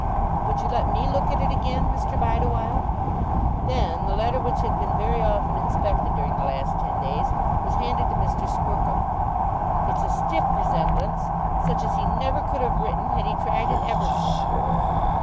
"Would you let me look at it again, Mr. Bideawhile?" Then the letter which had been very often inspected during the last ten days was handed to Mr. Squercum. "It's a stiff resemblance; such as he never could have written had he tried it ever so."